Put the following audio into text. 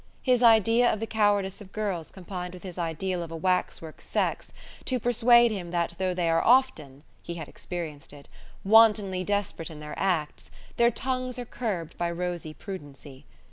His idea of the cowardice of girls combined with his ideal of a waxwork sex to persuade him that though they are often (he had experienced it) wantonly desperate in their acts, their tongues are curbed by rosy prudency.